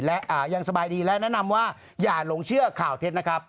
และแนะนำว่าอย่าหลงเชื่อข่าวเท็จนะครับ